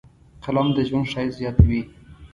قلم د ژوند ښایست زیاتوي